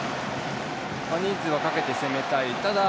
人数はかけて攻めたい。